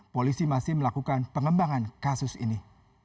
polisi masih melakukan pengembangan kasus ini